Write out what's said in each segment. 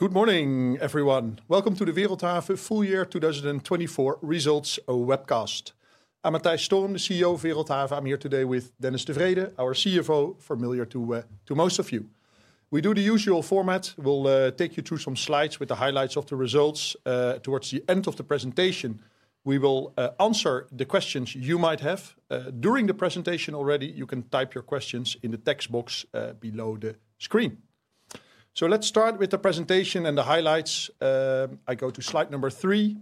Good morning, everyone. Welcome to the Wereldhave Full Year 2024 Results Webcast. I'm Matthijs Storm, the CEO of Wereldhave. I'm here today with Dennis de Vreede, our CFO, familiar to most of you. We do the usual format. We'll take you through some slides with the highlights of the results. Towards the end of the presentation, we will answer the questions you might have during the presentation already. You can type your questions in the text box below the screen. So let's start with the presentation and the highlights. I go to slide number three.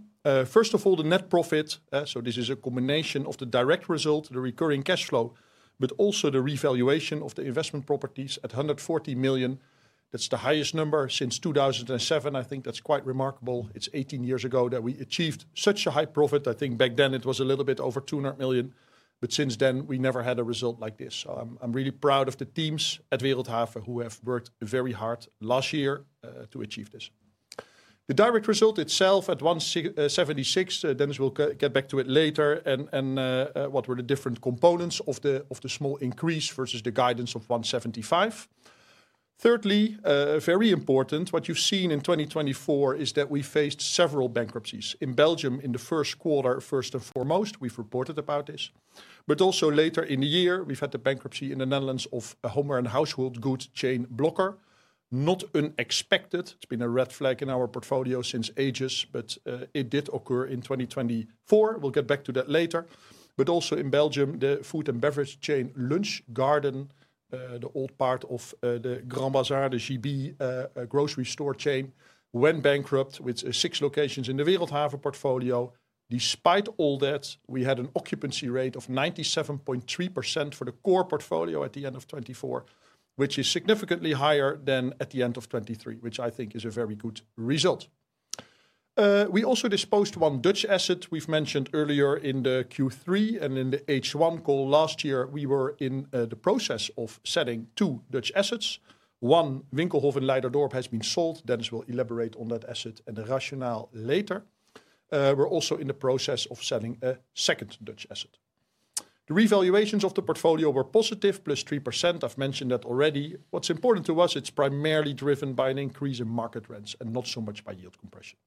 First of all, the net profit. So this is a combination of the direct result, the recurring cash flow, but also the revaluation of the investment properties at €140 million. That's the highest number since 2007. I think that's quite remarkable. It's 18 years ago that we achieved such a high profit. I think back then it was a little bit over €200 million, but since then we never had a result like this. So I'm really proud of the teams at Wereldhave who have worked very hard last year to achieve this. The direct result itself at €176 million, Dennis will get back to it later. And what were the different components of the small increase versus the guidance of €175 million? Thirdly, very important, what you've seen in 2024 is that we faced several bankruptcies in Belgium in the first quarter, first and foremost. We've reported about this, but also later in the year we've had the bankruptcy in the Netherlands of a home and household goods chain Blokker. Not unexpected. It's been a red flag in our portfolio since ages, but it did occur in 2024. We'll get back to that later. But also in Belgium, the food and beverage chain Lunch Garden, the old part of the Big Bazaar, the GB grocery store chain, went bankrupt with six locations in the Wereldhave portfolio. Despite all that, we had an occupancy rate of 97.3% for the core portfolio at the end of 2024, which is significantly higher than at the end of 2023, which I think is a very good result. We also disposed of one Dutch asset we've mentioned earlier in the Q3 and in the H1 call last year. We were in the process of selling two Dutch assets. One Winkelhof Leiderdorp has been sold. Dennis will elaborate on that asset and the rationale later. We're also in the process of selling a second Dutch asset. The revaluations of the portfolio were positive, plus 3%. I've mentioned that already. What's important to us, it's primarily driven by an increase in market rents and not so much by yield compression.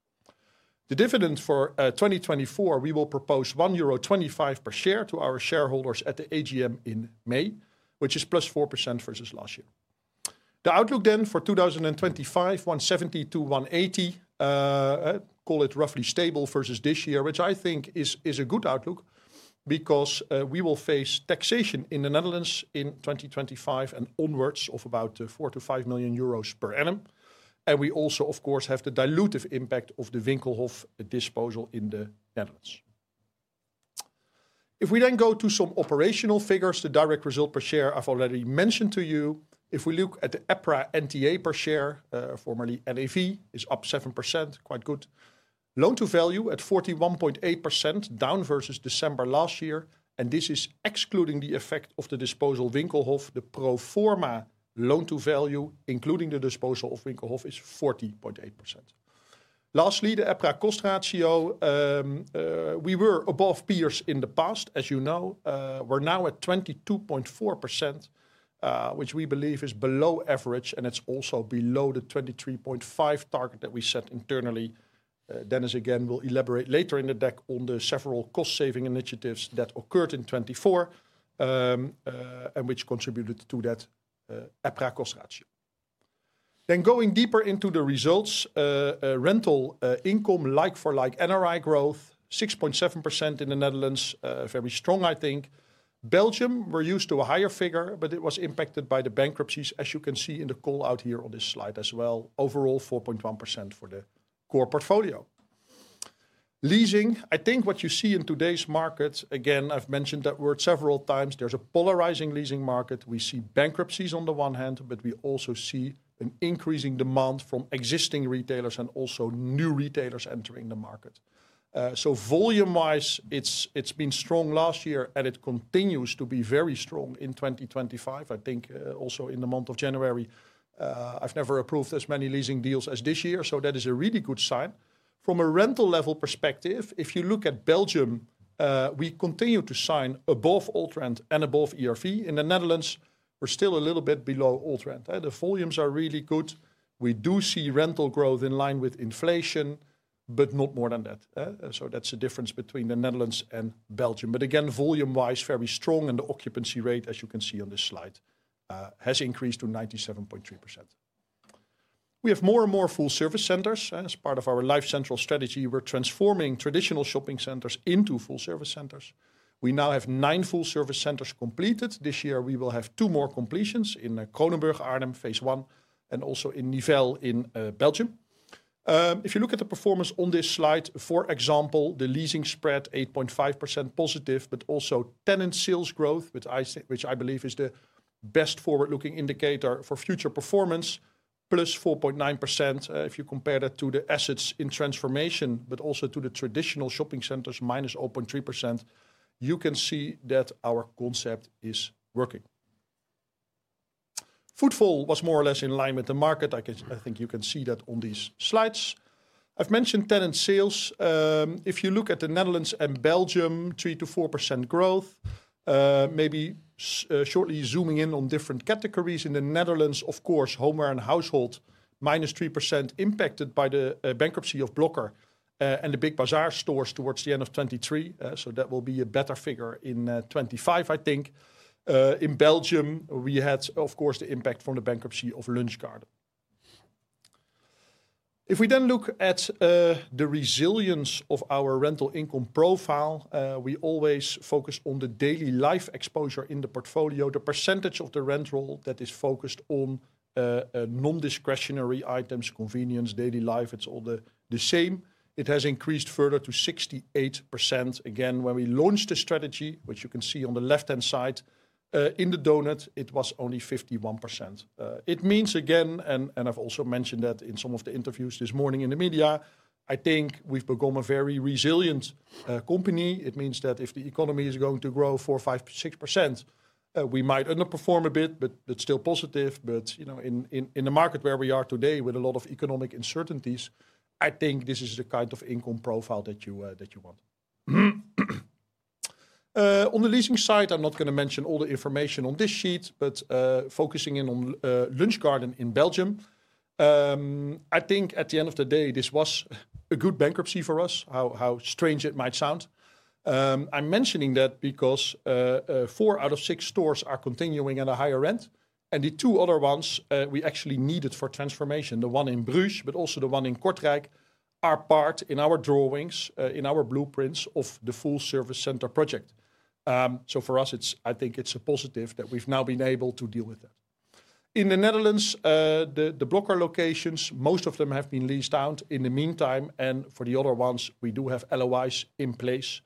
The dividend for 2024, we will propose €1.25 per share to our shareholders at the AGM in May, which is plus 4% versus last year. The outlook then for 2025, 170-180, call it roughly stable versus this year, which I think is a good outlook because we will face taxation in the Netherlands in 2025 and onwards of about €4-€5 million per annum. And we also, of course, have the dilutive impact of the Winkelhof disposal in the Netherlands. If we then go to some operational figures, the direct result per share I've already mentioned to you. If we look at the EPRA NTA per share, formerly NAV, is up 7%, quite good. Loan to value at 41.8%, down versus December last year. This is excluding the effect of the disposal of Winkelhof. The pro forma loan to value, including the disposal of Winkelhof, is 40.8%. Lastly, the EPRA cost ratio, we were above peers in the past, as you know. We're now at 22.4%, which we believe is below average. And it's also below the 23.5% target that we set internally. Dennis again will elaborate later in the deck on the several cost-saving initiatives that occurred in 2024 and which contributed to that EPRA cost ratio. Going deeper into the results, rental income like for like NRI growth, 6.7% in the Netherlands, very strong I think. Belgium, we're used to a higher figure, but it was impacted by the bankruptcies, as you can see in the call out here on this slide as well. Overall, 4.1% for the core portfolio. Leasing. I think what you see in today's market, again, I've mentioned that word several times, there's a polarizing leasing market. We see bankruptcies on the one hand, but we also see an increasing demand from existing retailers and also new retailers entering the market. So volume-wise, it's been strong last year and it continues to be very strong in 2025. I think also in the month of January, I've never approved as many leasing deals as this year. So that is a really good sign. From a rental level perspective, if you look at Belgium, we continue to sign above all trend and above ERV. In the Netherlands, we're still a little bit below all trend. The volumes are really good. We do see rental growth in line with inflation, but not more than that. So that's the difference between the Netherlands and Belgium. But again, volume-wise, very strong. The occupancy rate, as you can see on this slide, has increased to 97.3%. We have more and more full service centers. As part of our Life Central strategy, we're transforming traditional shopping centers into full service centers. We now have nine full service centers completed. This year, we will have two more completions in Kronenburg, Arnhem, phase one, and also in Nivelles in Belgium. If you look at the performance on this slide, for example, the leasing spread, 8.5% positive, but also tenant sales growth, which I believe is the best forward-looking indicator for future performance, plus 4.9%. If you compare that to the assets in transformation, but also to the traditional shopping centers, minus 0.3%, you can see that our concept is working. Footfall was more or less in line with the market. I think you can see that on these slides. I've mentioned tenant sales. If you look at the Netherlands and Belgium, 3%-4% growth, maybe shortly zooming in on different categories in the Netherlands, of course, home and household, -3% impacted by the bankruptcy of Blokker and the Big Bazaar stores towards the end of 2023. So that will be a better figure in 2025, I think. In Belgium, we had, of course, the impact from the bankruptcy of Lunch Garden. If we then look at the resilience of our rental income profile, we always focus on the daily life exposure in the portfolio. The percentage of the rental that is focused on non-discretionary items, convenience, daily life, it's all the same. It has increased further to 68%. Again, when we launched the strategy, which you can see on the left-hand side in the donut, it was only 51%. It means again, and I've also mentioned that in some of the interviews this morning in the media. I think we've become a very resilient company. It means that if the economy is going to grow 4%-6%, we might underperform a bit, but still positive. But in the market where we are today with a lot of economic uncertainties, I think this is the kind of income profile that you want. On the leasing side, I'm not going to mention all the information on this sheet, but focusing in on Lunch Garden in Belgium. I think at the end of the day, this was a good bankruptcy for us, how strange it might sound. I'm mentioning that because four out of six stores are continuing at a higher rent. And the two other ones we actually needed for transformation, the one in Bruges, but also the one in Kortrijk, are part of our drawings, in our blueprints of the full service center project. So for us, I think it's a positive that we've now been able to deal with that. In the Netherlands, the Blokker locations, most of them have been leased out in the meantime. And for the other ones, we do have LOIs in place.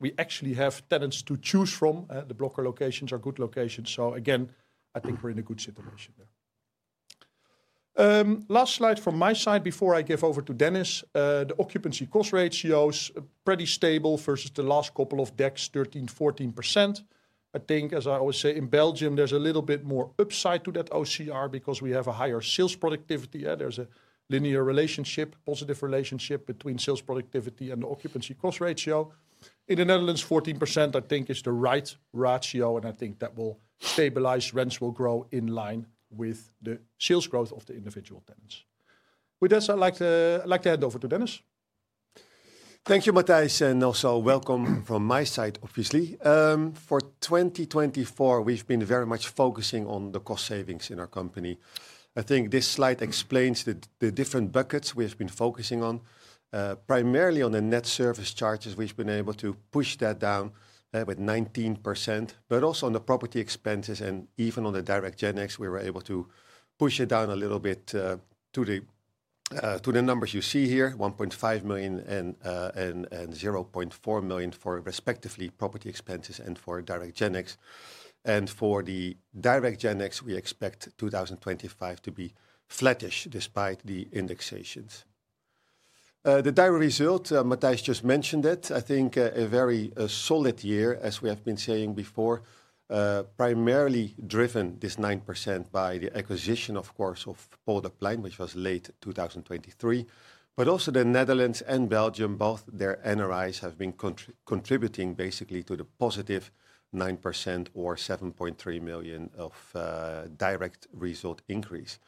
We actually have tenants to choose from. The Blokker locations are good locations. So again, I think we're in a good situation there. Last slide from my side before I give over to Dennis. The occupancy cost ratios are pretty stable versus the last couple of decks, 13%-14%. I think, as I always say, in Belgium, there's a little bit more upside to that OCR because we have a higher sales productivity. There's a linear relationship, positive relationship between sales productivity and the occupancy cost ratio. In the Netherlands, 14% I think is the right ratio. And I think that will stabilize. Rents will grow in line with the sales growth of the individual tenants. With this, I'd like to hand over to Dennis. Thank you, Matthijs. Also welcome from my side, obviously. For 2024, we've been very much focusing on the cost savings in our company. I think this slide explains the different buckets we have been focusing on, primarily on the net service charges. We've been able to push that down with 19%, but also on the property expenses. Even on the direct GenX, we were able to push it down a little bit to the numbers you see here, €1.5 million and €0.4 million for respectively property expenses and for direct GenX. For the direct GenX, we expect 2025 to be flattish despite the indexations. The direct result, Matthijs just mentioned it. I think a very solid year, as we have been saying before, primarily driven this 9% by the acquisition, of course, of Polderplein, which was late 2023. But also the Netherlands and Belgium, both their NRIs have been contributing basically to the positive 9% or €7.3 million of direct result increase.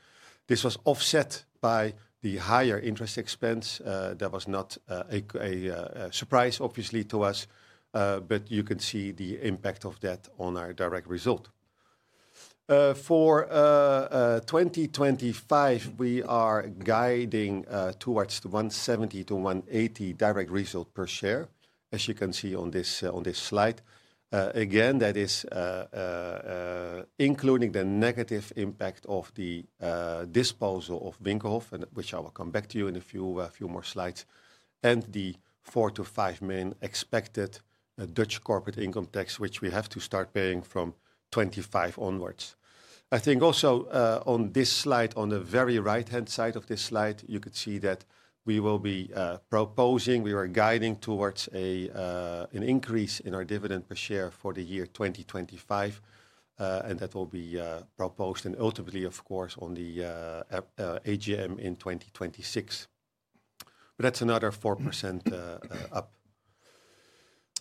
This was offset by the higher interest expense. That was not a surprise, obviously, to us. But you can see the impact of that on our direct result. For 2025, we are guiding towards the €1.70-€1.80 direct result per share, as you can see on this slide. Again, that is including the negative impact of the disposal of Winkelhof, which I will come back to you in a few more slides, and the €4-€5 million expected Dutch corporate income tax, which we have to start paying from 2025 onwards. I think also on this slide, on the very right-hand side of this slide, you could see that we will be proposing, we are guiding towards an increase in our dividend per share for the year 2025. And that will be proposed and ultimately, of course, on the AGM in 2026. But that's another 4% up.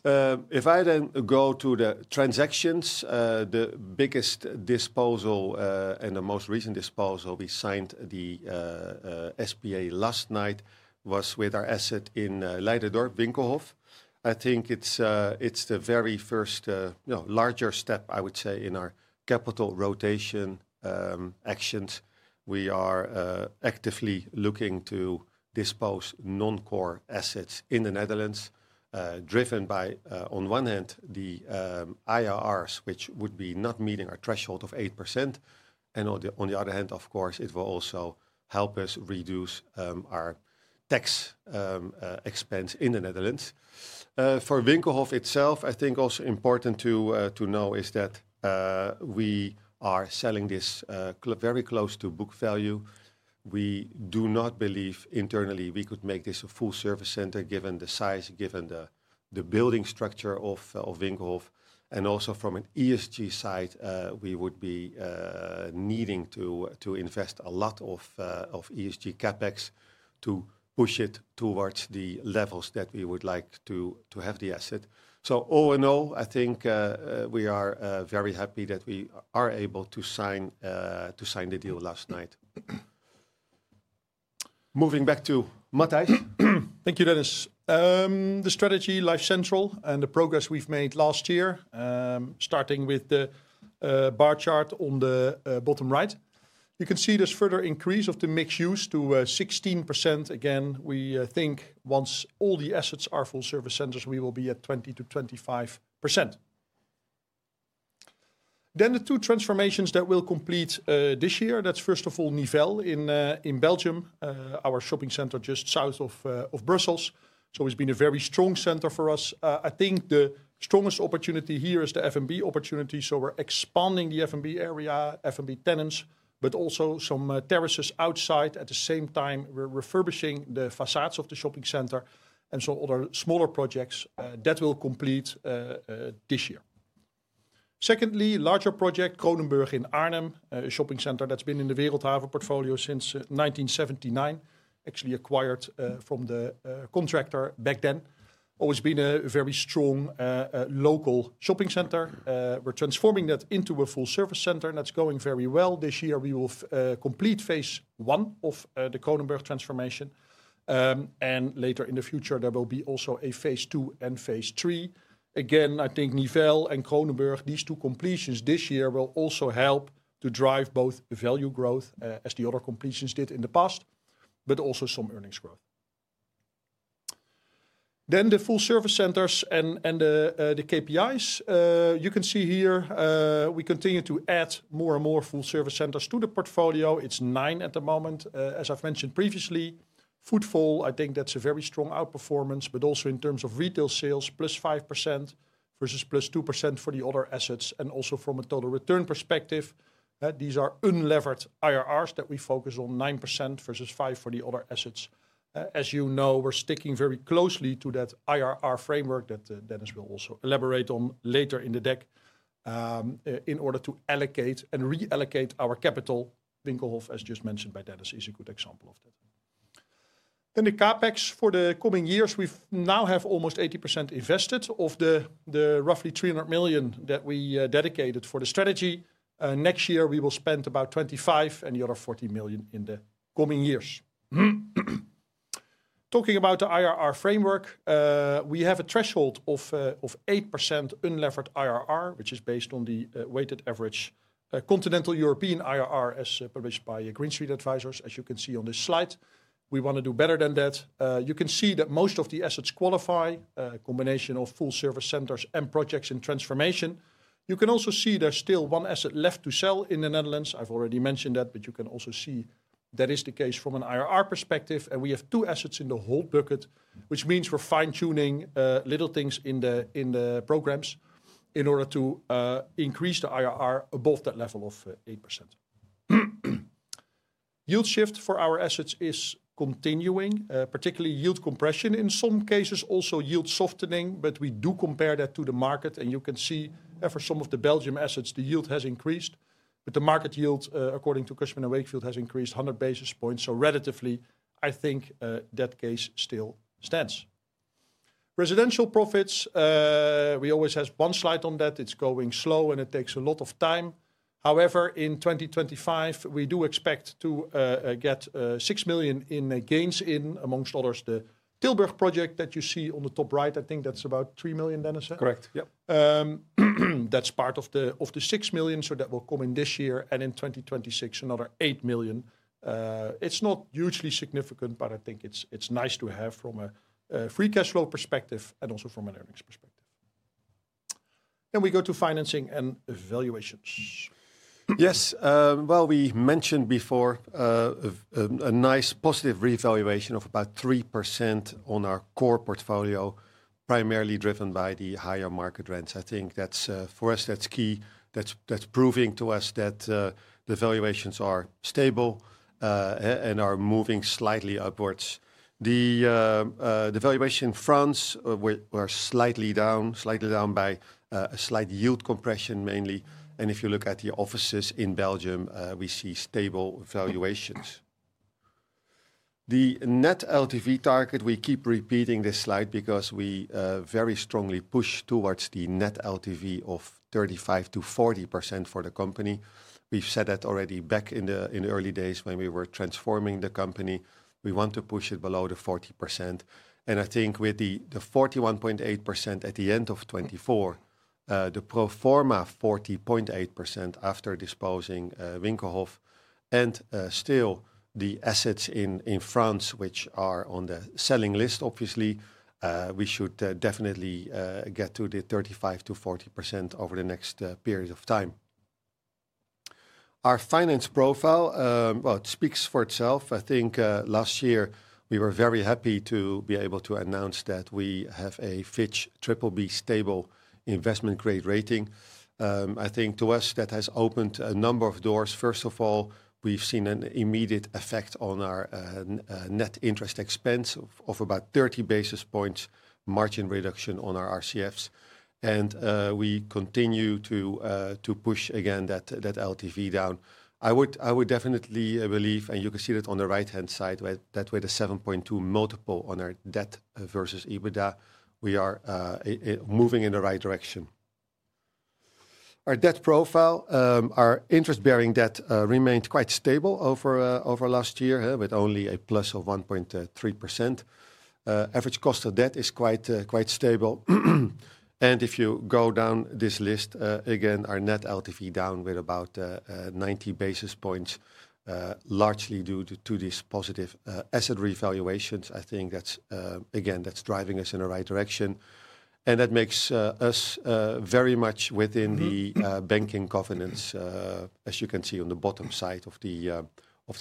If I then go to the transactions, the biggest disposal and the most recent disposal we signed the SPA last night was with our asset in Leiderdorp, Winkelhof. I think it's the very first larger step, I would say, in our capital rotation actions. We are actively looking to dispose non-core assets in the Netherlands, driven by, on one hand, the IRRs, which would be not meeting our threshold of 8%. And on the other hand, of course, it will also help us reduce our tax expense in the Netherlands. For Winkelhof itself, I think also important to know is that we are selling this very close to book value. We do not believe internally we could make this a full service center given the size, given the building structure of Winkelhof. And also from an ESG side, we would be needing to invest a lot of ESG CapEx to push it towards the levels that we would like to have the asset. So all in all, I think we are very happy that we are able to sign the deal last night. Moving back to Matthijs. Thank you, Dennis. The strategy, Life Central, and the progress we've made last year, starting with the bar chart on the bottom right, you can see this further increase of the mixed use to 16%. Again, we think once all the assets are full service centers, we will be at 20%-25%. Then the two transformations that will complete this year, that's first of all Nivelles in Belgium, our shopping center just south of Brussels. So it's been a very strong center for us. I think the strongest opportunity here is the F&B opportunity. So we're expanding the F&B area, F&B tenants, but also some terraces outside. At the same time, we're refurbishing the facades of the shopping center and some other smaller projects that will complete this year. Secondly, larger project, Kronenburg in Arnhem, a shopping center that's been in the Wereldhave portfolio since 1979, actually acquired from the contractor back then. Always been a very strong local shopping center. We're transforming that into a full service center. That's going very well. This year, we will complete phase one of the Kronenburg transformation, and later in the future, there will be also a phase two and phase three. Again, I think Nivelles and Kronenburg, these two completions this year will also help to drive both value growth as the other completions did in the past, but also some earnings growth. Then the full service centers and the KPIs, you can see here we continue to add more and more full service centers to the portfolio. It's nine at the moment, as I've mentioned previously. Food for, I think that's a very strong outperformance, but also in terms of retail sales, +5% versus +2% for the other assets, and also from a total return perspective, these are unlevered IRRs that we focus on, 9% versus 5% for the other assets. As you know, we're sticking very closely to that IRR framework that Dennis will also elaborate on later in the deck in order to allocate and reallocate our capital. Winkelhof, as just mentioned by Dennis, is a good example of that, and the CapEx for the coming years, we now have almost 80% invested of the roughly €300 million that we dedicated for the strategy. Next year, we will spend about €25 million and the other €40 million in the coming years. Talking about the IRR framework, we have a threshold of 8% unlevered IRR, which is based on the weighted average continental European IRR as published by Green Street Advisors, as you can see on this slide. We want to do better than that. You can see that most of the assets qualify, a combination of full service centers and projects in transformation. You can also see there's still one asset left to sell in the Netherlands. I've already mentioned that, but you can also see that is the case from an IRR perspective, and we have two assets in the hold bucket, which means we're fine-tuning little things in the programs in order to increase the IRR above that level of 8%. Yield shift for our assets is continuing, particularly yield compression in some cases, also yield softening, but we do compare that to the market. You can see for some of the Belgian assets, the yield has increased, but the market yield, according to Cushman & Wakefield, has increased 100 basis points, so relatively, I think that case still stands. Residential profits, we always have one slide on that. It's going slow and it takes a lot of time. However, in 2025, we do expect to get €6 million in gains in, among others, the Tilburg project that you see on the top right. I think that's about €3 million, Dennis. Correct. Yep. That's part of the 6 million so that will come in this year. And in 2026, another 8 million. It's not hugely significant, but I think it's nice to have from a free cash flow perspective and also from an earnings perspective. Then we go to financing and valuations. Yes. Well, we mentioned before a nice positive revaluation of about 3% on our core portfolio, primarily driven by the higher market rents. I think that's for us, that's key. That's proving to us that the valuations are stable and are moving slightly upwards. The valuation in France were slightly down, slightly down by a slight yield compression mainly. And if you look at the offices in Belgium, we see stable valuations. The net LTV target, we keep repeating this slide because we very strongly push towards the net LTV of 35%-40% for the company. We've said that already back in the early days when we were transforming the company. We want to push it below the 40%. And I think with the 41.8% at the end of 2024, the pro forma 40.8% after disposing Winkelhof. Still the assets in France, which are on the selling list, obviously, we should definitely get to the 35%-40% over the next period of time. Our finance profile, well, it speaks for itself. I think last year we were very happy to be able to announce that we have a Fitch triple B stable investment grade rating. I think to us that has opened a number of doors. First of all, we've seen an immediate effect on our net interest expense of about 30 basis points margin reduction on our RCFs. And we continue to push again that LTV down. I would definitely believe, and you can see that on the right-hand side, that with a 7.2 multiple on our debt versus EBITDA, we are moving in the right direction. Our debt profile, our interest-bearing debt remained quite stable over last year with only a plus of 1.3%. Average cost of debt is quite stable. And if you go down this list, again, our net LTV down with about 90 basis points, largely due to these positive asset revaluations. I think that's, again, that's driving us in the right direction. And that makes us very much within the banking covenants, as you can see on the bottom side of the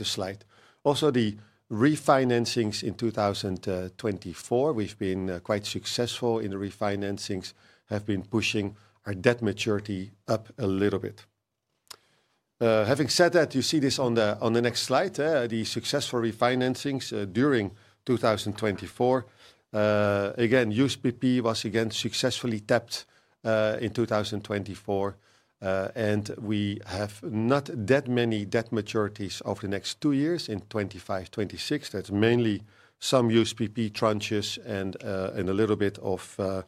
slide. Also, the refinancings in 2024, we've been quite successful in the refinancings, have been pushing our debt maturity up a little bit. Having said that, you see this on the next slide, the successful refinancings during 2024. Again, USPP was again successfully tapped in 2024. And we have not that many debt maturities over the next two years in 2025, 2026. That's mainly some USPP tranches and a little bit of our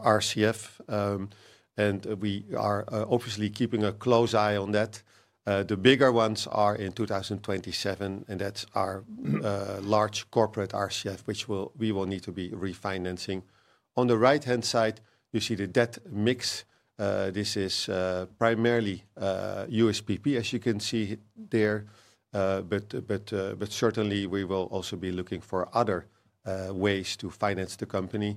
RCF. And we are obviously keeping a close eye on that. The bigger ones are in 2027, and that's our large corporate RCF, which we will need to be refinancing. On the right-hand side, you see the debt mix. This is primarily USPP, as you can see there. But certainly, we will also be looking for other ways to finance the company.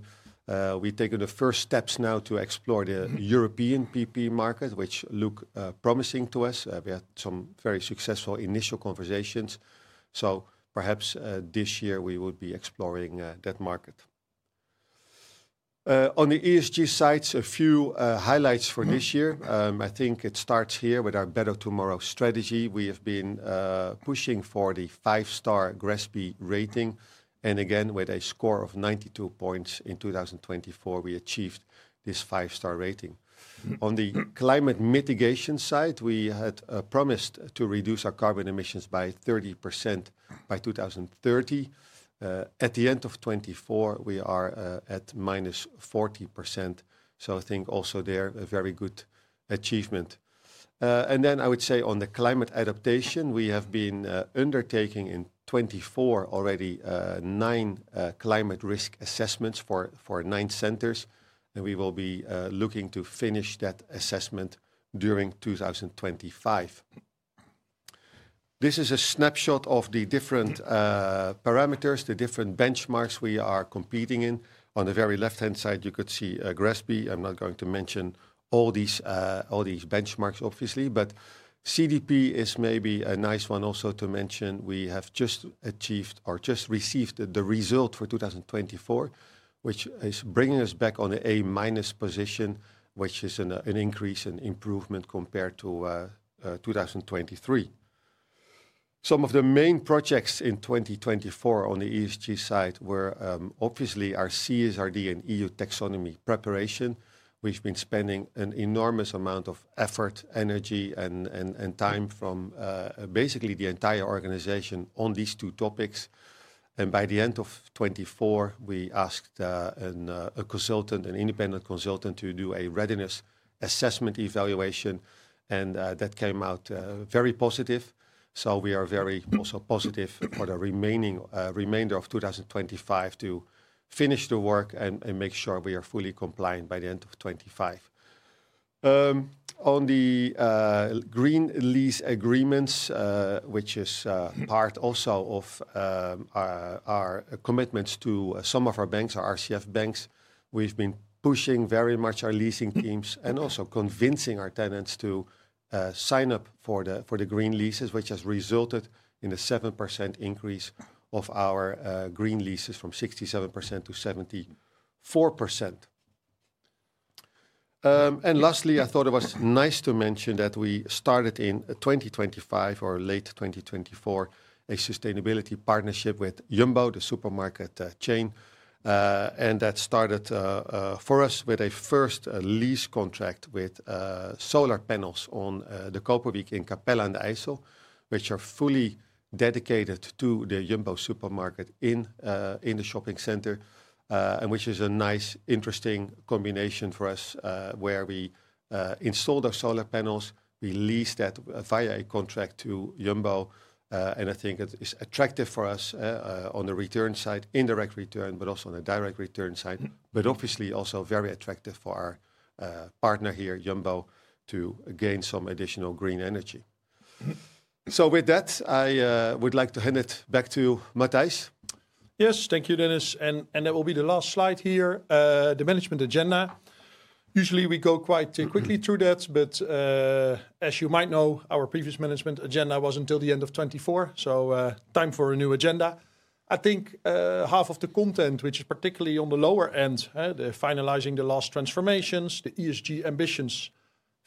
We've taken the first steps now to explore the European PP market, which look promising to us. We had some very successful initial conversations. So perhaps this year we would be exploring that market. On the ESG side, a few highlights for this year. I think it starts here with our Better Tomorrow strategy. We have been pushing for the five-star GRESB rating. Again, with a score of 92 points in 2024, we achieved this five-star rating. On the climate mitigation side, we had promised to reduce our carbon emissions by 30% by 2030. At the end of 2024, we are at minus 40%. I think also there a very good achievement. Then I would say on the climate adaptation, we have been undertaking in 2024 already nine climate risk assessments for nine centers. We will be looking to finish that assessment during 2025. This is a snapshot of the different parameters, the different benchmarks we are competing in. On the very left-hand side, you could see GRESB. I'm not going to mention all these benchmarks, obviously, but CDP is maybe a nice one also to mention. We have just achieved or just received the result for 2024, which is bringing us back on the A minus position, which is an increase and improvement compared to 2023. Some of the main projects in 2024 on the ESG side were obviously our CSRD and EU Taxonomy preparation. We've been spending an enormous amount of effort, energy, and time from basically the entire organization on these two topics. And by the end of 2024, we asked a consultant, an independent consultant, to do a readiness assessment evaluation. And that came out very positive. So we are very also positive for the remainder of 2025 to finish the work and make sure we are fully compliant by the end of 2025. On the green lease agreements, which is part also of our commitments to some of our banks, our RCF banks, we've been pushing very much our leasing teams and also convincing our tenants to sign up for the green leases, which has resulted in a 7% increase of our green leases from 67%-74%. And lastly, I thought it was nice to mention that we started in 2025 or late 2024 a sustainability partnership with Jumbo, the supermarket chain. And that started for us with a first lease contract with solar panels on the De Koperwiek in Capelle aan den IJssel, which are fully dedicated to the Jumbo supermarket in the shopping center, and which is a nice, interesting combination for us where we installed our solar panels. We leased that via a contract to Jumbo. I think it is attractive for us on the return side, indirect return, but also on the direct return side, but obviously also very attractive for our partner here, Jumbo, to gain some additional green energy. With that, I would like to hand it back to Matthijs. Yes, thank you, Dennis, and that will be the last slide here, the management agenda. Usually, we go quite quickly through that, but as you might know, our previous management agenda was until the end of 2024, so time for a new agenda. I think half of the content, which is particularly on the lower end, the finalizing the last transformations, the ESG ambitions,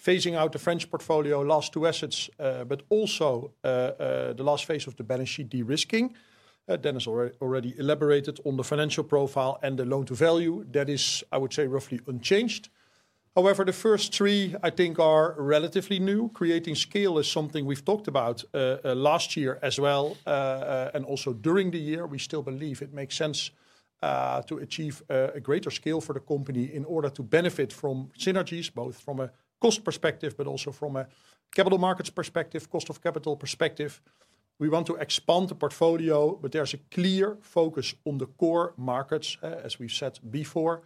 phasing out the French portfolio, last two assets, but also the last phase of the balance sheet de-risking. Dennis already elaborated on the financial profile and the Loan to Value. That is, I would say, roughly unchanged. However, the first three, I think, are relatively new. Creating scale is something we've talked about last year as well, and also during the year. We still believe it makes sense to achieve a greater scale for the company in order to benefit from synergies, both from a cost perspective, but also from a capital markets perspective, cost of capital perspective. We want to expand the portfolio, but there's a clear focus on the core markets, as we've said before,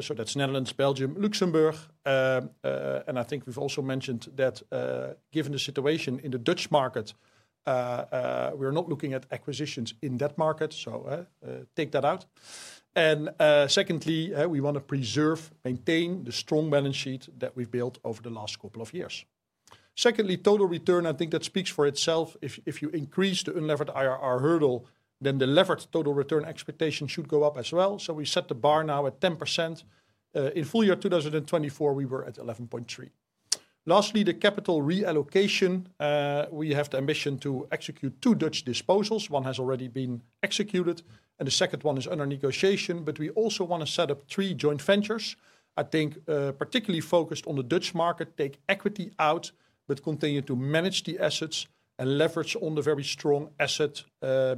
so that's Netherlands, Belgium, Luxembourg, and I think we've also mentioned that given the situation in the Dutch market, we are not looking at acquisitions in that market, so take that out, and secondly, we want to preserve, maintain the strong balance sheet that we've built over the last couple of years. Secondly, total return, I think that speaks for itself. If you increase the unlevered IRR hurdle, then the levered total return expectation should go up as well, so we set the bar now at 10%. In full year 2024, we were at 11.3%. Lastly, the capital reallocation, we have the ambition to execute two Dutch disposals. One has already been executed, and the second one is under negotiation, but we also want to set up three joint ventures. I think particularly focused on the Dutch market, take equity out, but continue to manage the assets and leverage on the very strong asset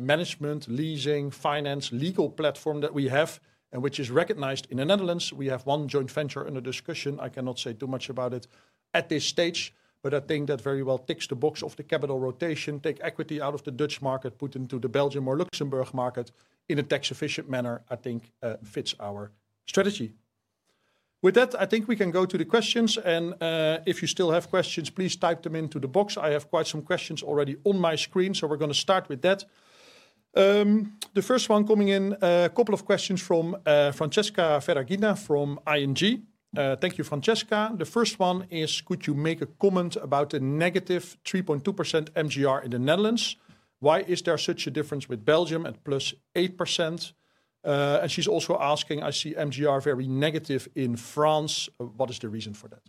management, leasing, finance, legal platform that we have, and which is recognized in the Netherlands. We have one joint venture under discussion. I cannot say too much about it at this stage, but I think that very well ticks the box of the capital rotation, take equity out of the Dutch market, put into the Belgium or Luxembourg market in a tax-efficient manner. I think fits our strategy. With that, I think we can go to the questions, and if you still have questions, please type them into the box. I have quite some questions already on my screen. So we're going to start with that. The first one coming in, a couple of questions from Francesca Ferragina from ING. Thank you, Francesca. The first one is, could you make a comment about the negative 3.2% MGR in the Netherlands? Why is there such a difference with Belgium at +8%? And she's also asking, I see MGR very negative in France. What is the reason for that?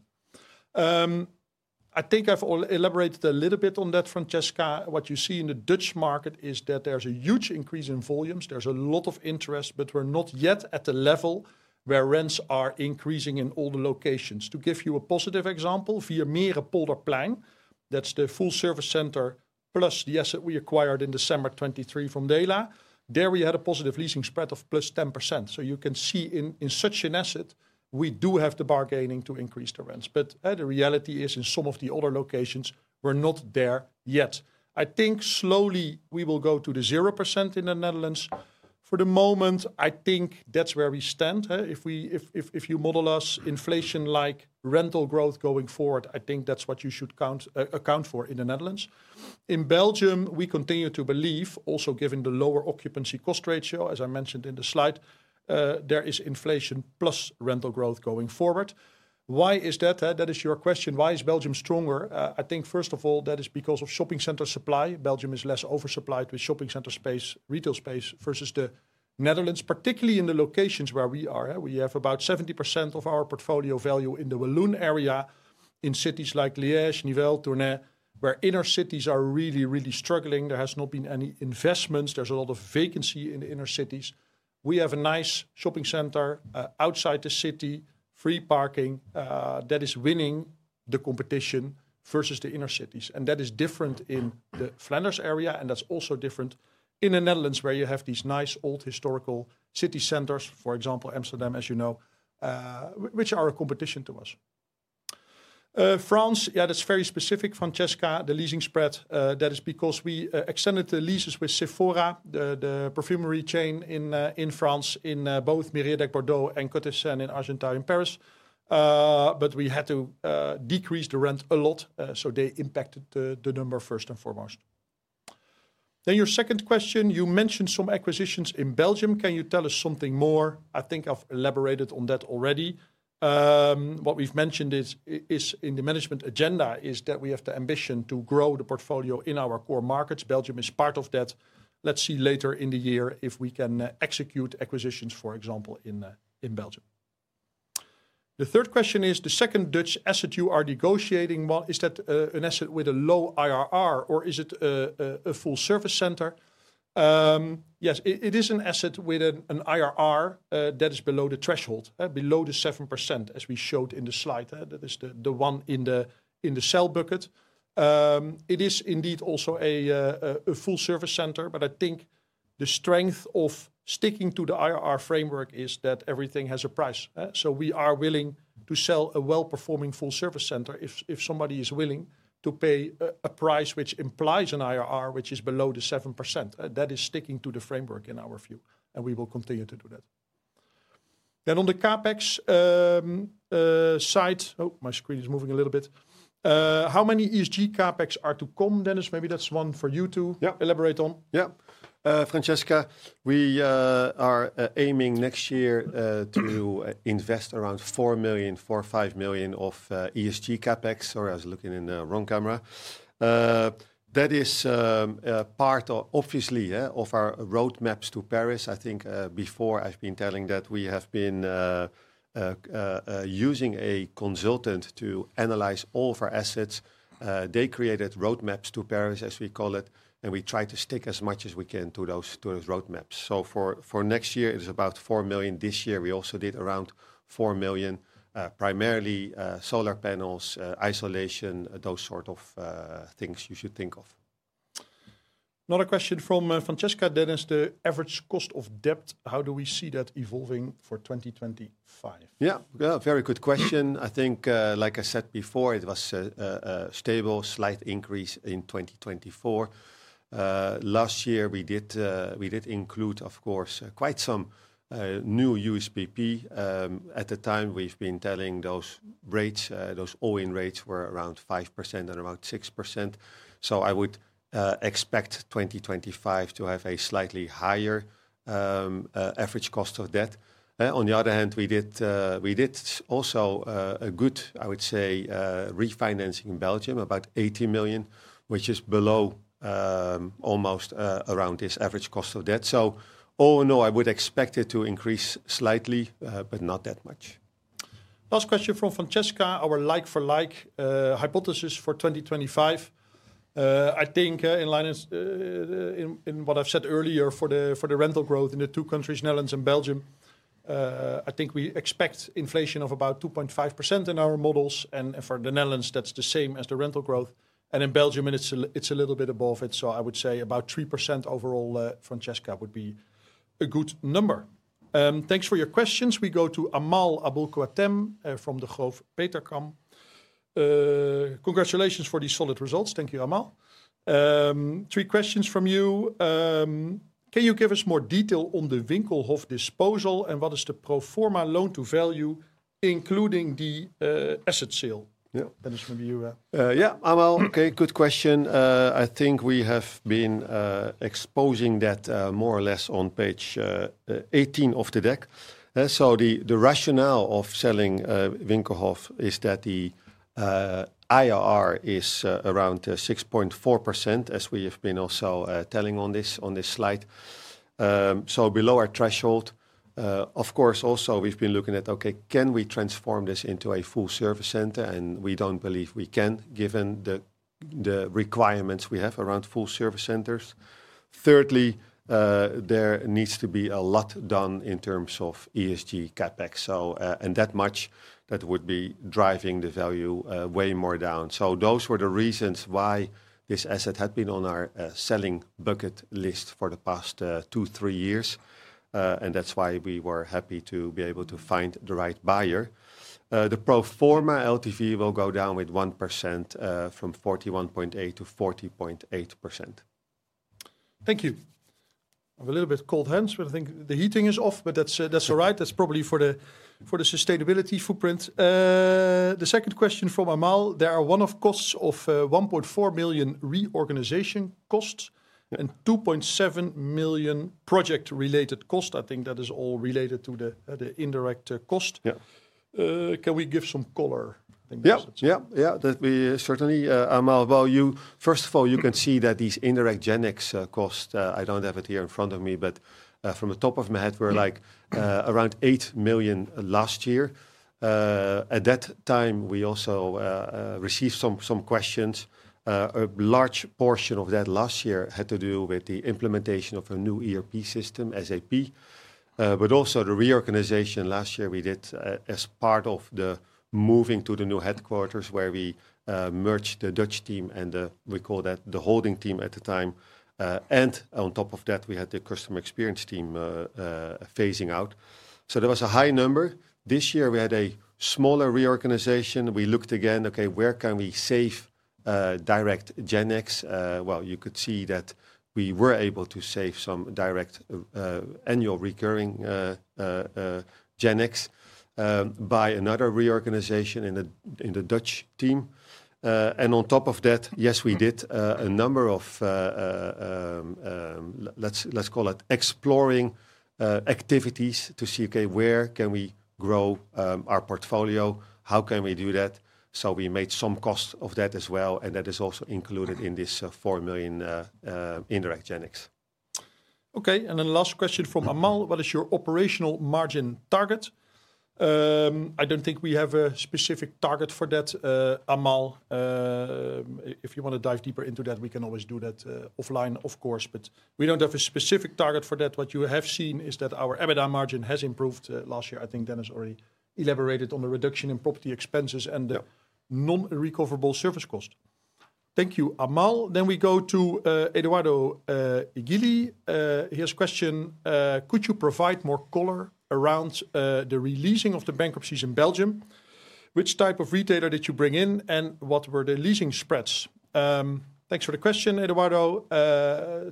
I think I've elaborated a little bit on that, Francesca. What you see in the Dutch market is that there's a huge increase in volumes. There's a lot of interest, but we're not yet at the level where rents are increasing in all the locations. To give you a positive example, Vier Meren, Polderplein, that's the full service center plus the asset we acquired in December 2023 from Dela. There we had a positive leasing spread of +10%. So you can see in such an asset, we do have the bargaining to increase the rents. But the reality is in some of the other locations, we're not there yet. I think slowly we will go to the 0% in the Netherlands. For the moment, I think that's where we stand. If you model us inflation-like rental growth going forward, I think that's what you should account for in the Netherlands. In Belgium, we continue to believe, also given the lower occupancy cost ratio, as I mentioned in the slide, there is inflation plus rental growth going forward. Why is that? That is your question. Why is Belgium stronger? I think first of all, that is because of shopping center supply. Belgium is less oversupplied with shopping center space, retail space versus the Netherlands, particularly in the locations where we are. We have about 70% of our portfolio value in the Walloon area, in cities like Liège, Nivelles, Tournai, where inner cities are really, really struggling. There has not been any investments. There's a lot of vacancy in the inner cities. We have a nice shopping center outside the city, free parking that is winning the competition versus the inner cities. That is different in the Flanders area. That's also different in the Netherlands where you have these nice old historical city centers, for example, Amsterdam, as you know, which are a competition to us. France, yeah, that's very specific, Francesca. The leasing spread, that is because we extended the leases with Sephora, the perfumery chain in France in both Mériadeck in Bordeaux and Côté Seine in Argenteuil and Paris. But we had to decrease the rent a lot. So they impacted the number first and foremost. Then your second question, you mentioned some acquisitions in Belgium. Can you tell us something more? I think I've elaborated on that already. What we've mentioned is in the management agenda is that we have the ambition to grow the portfolio in our core markets. Belgium is part of that. Let's see later in the year if we can execute acquisitions, for example, in Belgium. The third question is, the second Dutch asset you are negotiating, is that an asset with a low IRR or is it a full service center? Yes, it is an asset with an IRR that is below the threshold, below the 7% as we showed in the slide. That is the one in the sale bucket. It is indeed also a full service center, but I think the strength of sticking to the IRR framework is that everything has a price. So we are willing to sell a well-performing full service center if somebody is willing to pay a price which implies an IRR which is below the 7%. That is sticking to the framework in our view. And we will continue to do that. Then on the CapEx side, oh, my screen is moving a little bit. How many ESG CapEx are to come, Dennis? Maybe that's one for you to elaborate on. Yeah, Francesca, we are aiming next year to invest around €4 million-€5 million of ESG CapEx. Sorry, I was looking in the wrong camera. That is part, obviously, of our roadmaps to Paris. I think before I've been telling that we have been using a consultant to analyze all of our assets. They created roadmaps to Paris, as we call it. We try to stick as much as we can to those roadmaps. For next year, it is about €4 million. This year, we also did around €4 million, primarily solar panels, insulation, those sort of things you should think of. Another question from Francesca, Dennis, the average cost of debt, how do we see that evolving for 2025? Yeah, very good question. I think, like I said before, it was a stable slight increase in 2024. Last year, we did include, of course, quite some new USPP. At the time, we've been telling those rates, those coupon rates were around 5% and around 6%. So I would expect 2025 to have a slightly higher average cost of debt. On the other hand, we did also a good, I would say, refinancing in Belgium, about €80 million, which is below almost around this average cost of debt. So, oh no, I would expect it to increase slightly, but not that much. Last question from Francesca, our like-for-like hypothesis for 2025. I think in what I've said earlier for the rental growth in the two countries, Netherlands and Belgium, I think we expect inflation of about 2.5% in our models. And for the Netherlands, that's the same as the rental growth. And in Belgium, it's a little bit above it. So I would say about 3% overall, Francesca, would be a good number. Thanks for your questions. We go to Amal Aboulkhouatem from the Degroof Peterkam. Congratulations for these solid results. Thank you, Amal. Three questions from you. Can you give us more detail on the Winkelhof disposal and what is the pro forma loan to value, including the asset sale? Yeah, Dennis, maybe you. Yeah, Amal, okay, good question. I think we have been exposing that more or less on page 18 of the deck. So the rationale of selling Winkelhof is that the IRR is around 6.4%, as we have been also telling on this slide. So below our threshold. Of course, also we've been looking at, okay, can we transform this into a full service center? And we don't believe we can, given the requirements we have around full service centers. Thirdly, there needs to be a lot done in terms of ESG CapEx. And that much, that would be driving the value way more down. So those were the reasons why this asset had been on our selling bucket list for the past two, three years, and that's why we were happy to be able to find the right buyer. The proforma LTV will go down with 1% from 41.8%-40.8%. Thank you. I have a little bit of cold hands, but I think the heating is off, but that's all right. That's probably for the sustainability footprint. The second question from Amal, there are one-off costs of €1.4 million reorganization costs and €2.7 million project-related costs. I think that is all related to the indirect cost. Can we give some color? Yeah, yeah, that we certainly, Amal, while you, first of all, you can see that these indirect GenX costs, I don't have it here in front of me, but from the top of my head, were like around €8 million last year. At that time, we also received some questions. A large portion of that last year had to do with the implementation of a new ERP system, SAP, but also the reorganization last year we did as part of the moving to the new headquarters where we merged the Dutch team and we called that the holding team at the time. And on top of that, we had the customer experience team phasing out. So there was a high number. This year, we had a smaller reorganization. We looked again, okay, where can we save direct GenX? Well, you could see that we were able to save some direct annual recurring GenX by another reorganization in the Dutch team. And on top of that, yes, we did a number of, let's call it exploring activities to see, okay, where can we grow our portfolio? How can we do that? So we made some cost of that as well. And that is also included in this 4 million indirect GenX. Okay, and then last question from Amal, what is your operational margin target? I don't think we have a specific target for that, Amal. If you want to dive deeper into that, we can always do that offline, of course, but we don't have a specific target for that. What you have seen is that our EBITDA margin has improved last year. I think Dennis already elaborated on the reduction in property expenses and the non-recoverable service cost. Thank you, Amal. Then we go to Eduardo guiluz. Here's a question. Could you provide more color around the releasing of the bankruptcies in Belgium? Which type of retailer did you bring in? And what were the leasing spreads? Thanks for the question, Eduardo.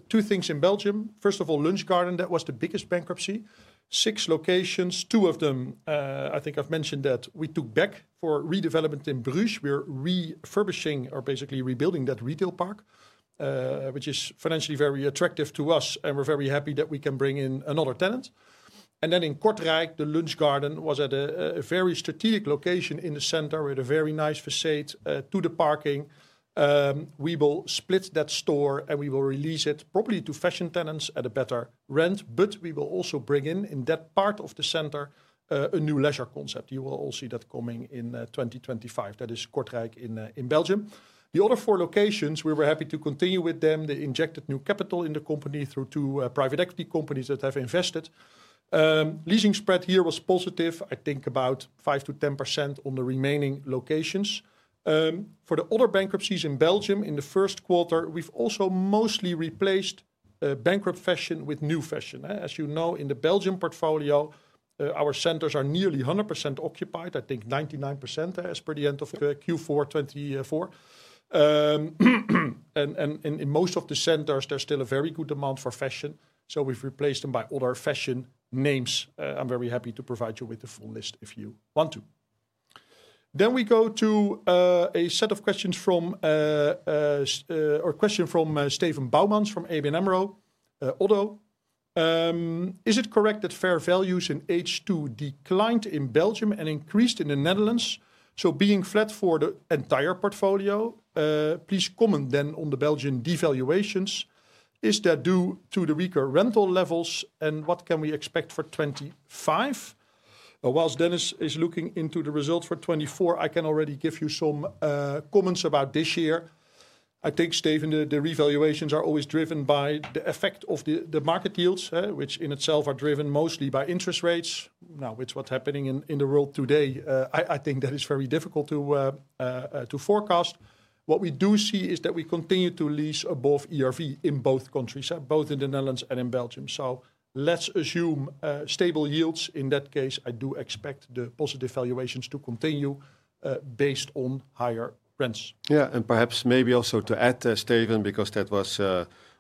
Two things in Belgium. First of all, Lunch Garden, that was the biggest bankruptcy. Six locations, two of them, I think I've mentioned that we took back for redevelopment in Bruges. We're refurbishing or basically rebuilding that retail park, which is financially very attractive to us. And we're very happy that we can bring in another tenant. And then in Kortrijk, the Lunch Garden was at a very strategic location in the center with a very nice facade to the parking. We will split that store and we will release it properly to fashion tenants at a better rent. But we will also bring in, in that part of the center, a new leisure concept. You will all see that coming in 2025. That is Kortrijk in Belgium. The other four locations, we were happy to continue with them. They injected new capital in the company through two private equity companies that have invested. Leasing spread here was positive, I think about 5%-10% on the remaining locations. For the other bankruptcies in Belgium, in the first quarter, we've also mostly replaced bankrupt fashion with new fashion. As you know, in the Belgium portfolio, our centers are nearly 100% occupied. I think 99% as per the end of Q4 2024. And in most of the centers, there's still a very good demand for fashion, so we've replaced them by other fashion names. I'm very happy to provide you with the full list if you want to. Then we go to a set of questions from, or question from Steven Boumans from ABN AMRO - ODDO BHF. Is it correct that fair values in H2 declined in Belgium and increased in the Netherlands, so being flat for the entire portfolio? Please comment then on the Belgian devaluations. Is that due to the weaker rental levels? What can we expect for 2025? While Dennis is looking into the results for 2024, I can already give you some comments about this year. I think, Steven, the revaluations are always driven by the effect of the market yields, which in itself are driven mostly by interest rates. Now, with what's happening in the world today, I think that is very difficult to forecast. What we do see is that we continue to lease above ERV in both countries, both in the Netherlands and in Belgium. Let's assume stable yields. In that case, I do expect the positive valuations to continue based on higher rents. Yeah, and perhaps maybe also to add, Steven, because that was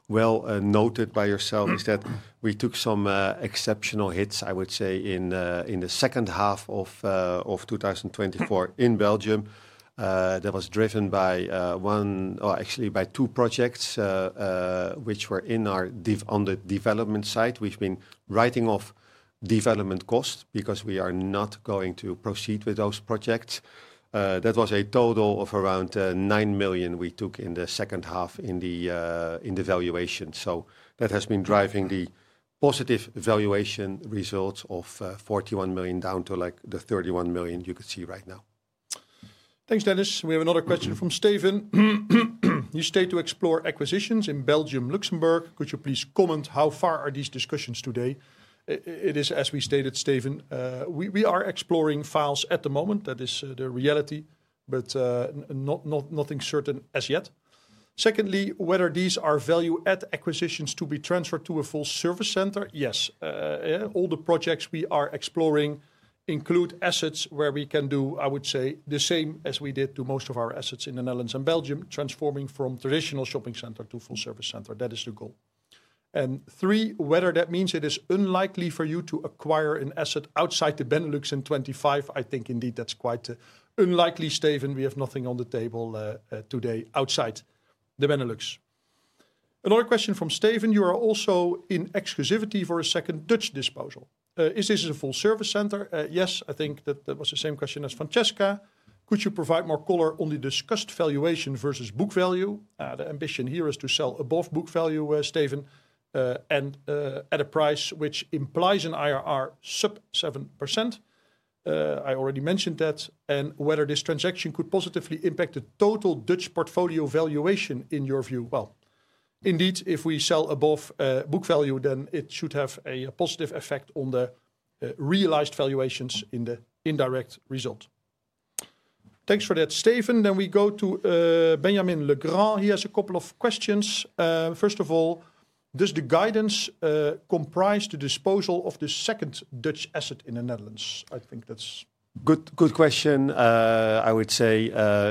well noted by yourself, is that we took some exceptional hits, I would say, in the second half of 2024 in Belgium. That was driven by one, or actually by two projects, which were on the development side. We've been writing off development costs because we are not going to proceed with those projects. That was a total of around €9 million we took in the second half in the valuation. So that has been driving the positive valuation results of €41 million down to like the €31 million you could see right now. Thanks, Dennis. We have another question from Steven. You said to explore acquisitions in Belgium, Luxembourg. Could you please comment how far are these discussions today? It is, as we stated, Steven, we are exploring files at the moment. That is the reality, but nothing certain as yet. Secondly, whether these are value-add acquisitions to be transferred to a full service center? Yes. All the projects we are exploring include assets where we can do, I would say, the same as we did to most of our assets in the Netherlands and Belgium, transforming from traditional shopping center to full service center. That is the goal. And three, whether that means it is unlikely for you to acquire an asset outside the Benelux in 2025. I think indeed that's quite unlikely, Stephen. We have nothing on the table today outside the Benelux. Another question from Stephen. You are also in exclusivity for a second Dutch disposal. Is this a full service center? Yes, I think that that was the same question as Francesca. Could you provide more color on the discussed valuation versus book value? The ambition here is to sell above book value, Stephen, and at a price which implies an IRR sub 7%. I already mentioned that. Whether this transaction could positively impact the total Dutch portfolio valuation in your view? Indeed, if we sell above book value, then it should have a positive effect on the realized valuations in the indirect result. Thanks for that, Steven. We go to Benjamin Legrand. He has a couple of questions. First of all, does the guidance comprise the disposal of the second Dutch asset in the Netherlands? I think that's a good question. I would say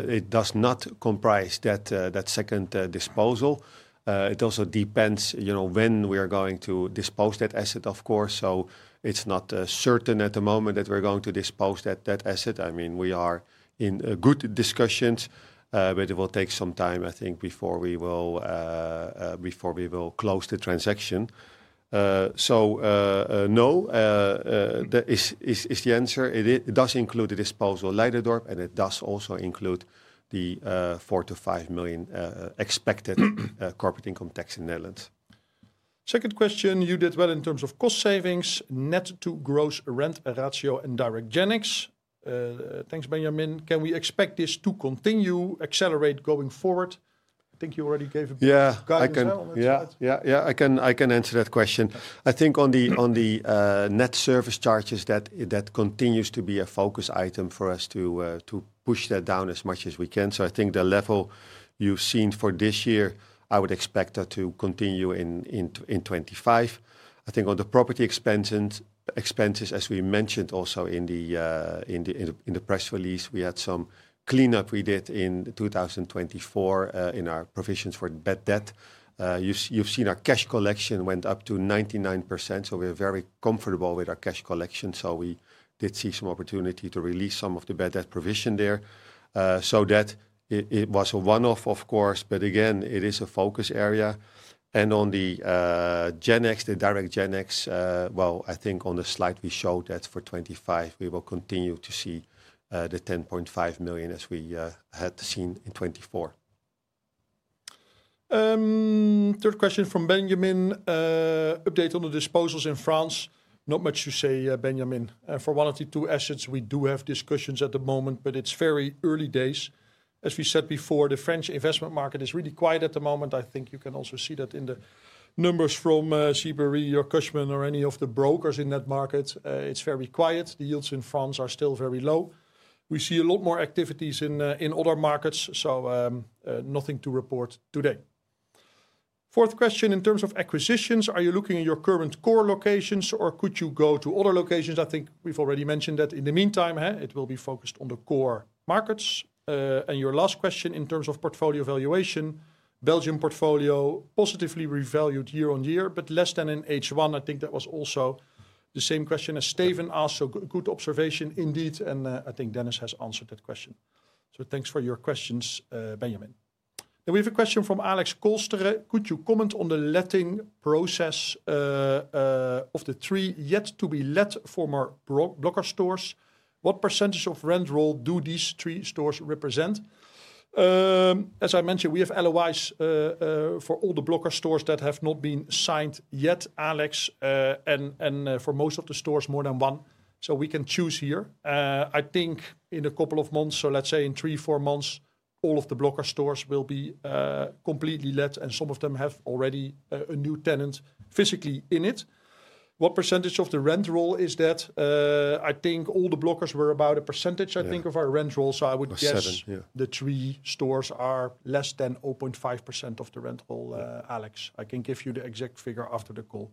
it does not comprise that second disposal. It also depends when we are going to dispose that asset, of course. So it's not certain at the moment that we're going to dispose that asset. I mean, we are in good discussions, but it will take some time, I think, before we will close the transaction. So no, that is the answer. It does include the disposal Leiderdorp, and it does also include the 4-5 million expected corporate income tax in the Netherlands. Second question. You did well in terms of cost savings, net to gross rent ratio and direct GenX. Thanks, Benjamin. Can we expect this to continue, accelerate going forward? I think you already gave a bit of guidance on it. Yeah, I can answer that question. I think on the net service charges, that continues to be a focus item for us to push that down as much as we can. So I think the level you've seen for this year, I would expect that to continue in 2025. I think on the property expenses, as we mentioned also in the press release, we had some cleanup we did in 2024 in our provisions for bad debt. You've seen our cash collection went up to 99%. We're very comfortable with our cash collection. So we did see some opportunity to release some of the bad debt provision there. So that it was a one-off, of course, but again, it is a focus area. And on the GenX, the direct GenX, well, I think on the slide we showed that for 2025, we will continue to see the 10.5 million as we had seen in 2024. Third question from Benjamin. Update on the disposals in France. Not much to say, Benjamin. For one of the two assets, we do have discussions at the moment, but it's very early days. As we said before, the French investment market is really quiet at the moment. I think you can also see that in the numbers from CBRE, Cushman & Wakefield, or any of the brokers in that market. It's very quiet. The yields in France are still very low. We see a lot more activities in other markets. So nothing to report today. Fourth question. In terms of acquisitions, are you looking at your current core locations or could you go to other locations? I think we've already mentioned that in the meantime, it will be focused on the core markets. And your last question in terms of portfolio valuation, Belgium portfolio positively revalued year on year, but less than in H1. I think that was also the same question as Steven asked. So good observation indeed. And I think Dennis has answered that question. So thanks for your questions, Benjamin. Then we have a question from Alex Kolsteren. Could you comment on the letting process of the three yet-to-be-let former Blokker stores? What percentage of rent roll do these three stores represent? As I mentioned, we have LOIs for all the Blokker stores that have not been signed yet, Alex, and for most of the stores, more than one. So we can choose here. I think in a couple of months, so let's say in three, four months, all of the Blokker stores will be completely let, and some of them have already a new tenant physically in it. What percentage of the rent roll is that? I think all the Blokkers were about a percentage, I think, of our rent roll. So I would guess the three stores are less than 0.5% of the rent roll, Alex. I can give you the exact figure after the call.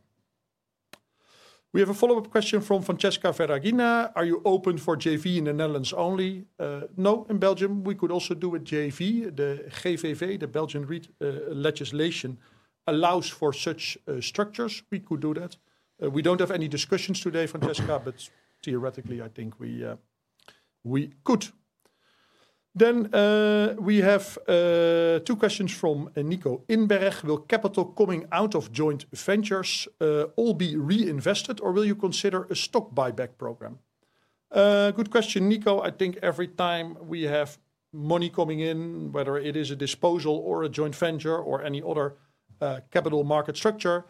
We have a follow-up question from Francesca Ferragina. Are you open for JV in the Netherlands only? No, in Belgium, we could also do with JV. The GVV, the Belgian legislation, allows for such structures. We could do that. We don't have any discussions today, Francesca, but theoretically, I think we could. Then we have two questions from Nico Inberg. Will capital coming out of joint ventures all be reinvested, or will you consider a stock buyback program? Good question, Nico. I think every time we have money coming in, whether it is a disposal or a joint venture or any other capital market structure,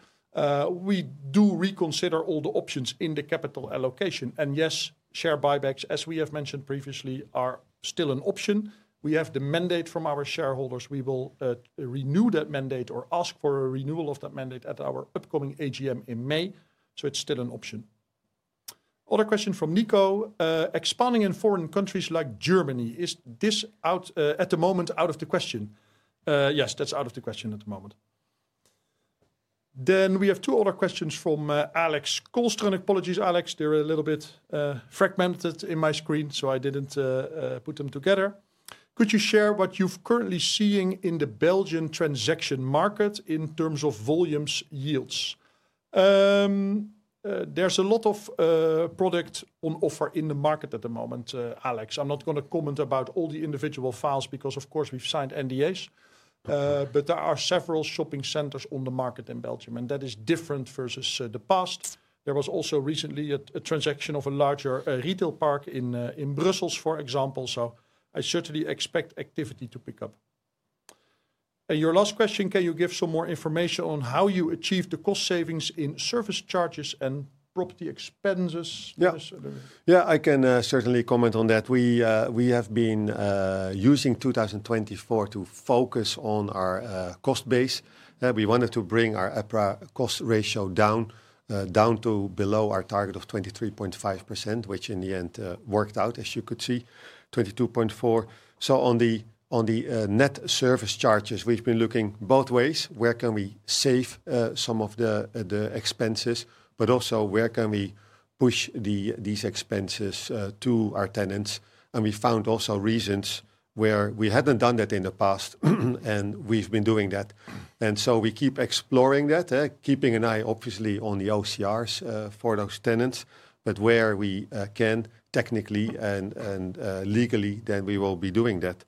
we do reconsider all the options in the capital allocation. And yes, share buybacks, as we have mentioned previously, are still an option. We have the mandate from our shareholders. We will renew that mandate or ask for a renewal of that mandate at our upcoming AGM in May. So it's still an option. Other question from Nico. Expanding in foreign countries like Germany, is this at the moment out of the question? Yes, that's out of the question at the moment. Then we have two other questions from Alex Kolsteren. Apologies, Alex. They're a little bit fragmented in my screen, so I didn't put them together. Could you share what you've currently seen in the Belgian transaction market in terms of volumes, yields? There's a lot of product on offer in the market at the moment, Alex. I'm not going to comment about all the individual files because, of course, we've signed NDAs. But there are several shopping centers on the market in Belgium, and that is different versus the past. There was also recently a transaction of a larger retail park in Brussels, for example. So I certainly expect activity to pick up. Your last question, can you give some more information on how you achieve the cost savings in service charges and property expenses? Yes, I can certainly comment on that. We have been using 2024 to focus on our cost base. We wanted to bring our cost ratio down to below our target of 23.5%, which in the end worked out, as you could see, 22.4%. So on the net service charges, we've been looking both ways. Where can we save some of the expenses, but also where can we push these expenses to our tenants? And we found also reasons where we hadn't done that in the past, and we've been doing that. And so we keep exploring that, keeping an eye, obviously, on the OCRs for those tenants. But where we can, technically and legally, then we will be doing that.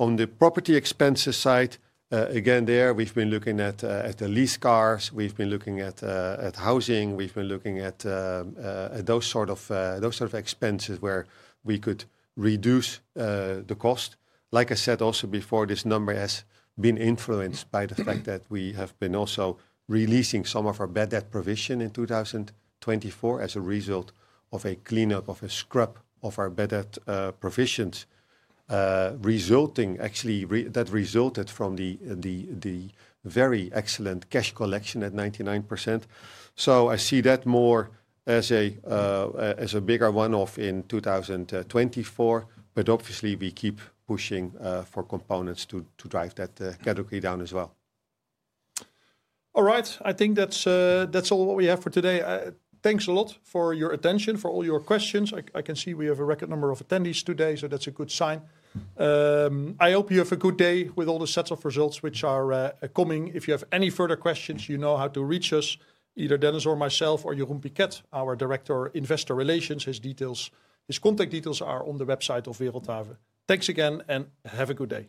On the property expenses side, again, there we've been looking at the lease cars. We've been looking at housing. We've been looking at those sort of expenses where we could reduce the cost. Like I said also before, this number has been influenced by the fact that we have been also releasing some of our bad debt provision in 2024 as a result of a cleanup of a scrub of our bad debt provisions, resulting actually that resulted from the very excellent cash collection at 99%. So I see that more as a bigger one-off in 2024, but obviously we keep pushing for components to drive that category down as well. All right, I think that's all what we have for today. Thanks a lot for your attention, for all your questions. I can see we have a record number of attendees today, so that's a good sign. I hope you have a good day with all the sets of results which are coming. If you have any further questions, you know how to reach us, either Dennis or myself, or Jeroen Piket, our Director of Investor Relations. His details, his contact details are on the website of Wereldhave. Thanks again and have a good day.